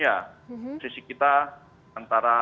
ya sisi kita antara